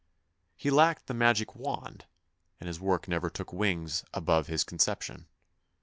He lacked the magic wand, and his work never took wings above his con ception.